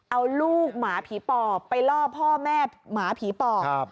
เอาลูกหมาผีปอบไปล่อพ่อแม่หมาผีปอบ